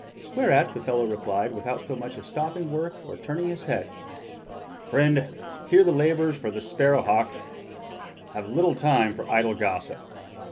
Whereat the fellow replied, without so much as stopping work or turning his head: "Friend, he that labors for the Sparrow hawk has little time for idle gossip.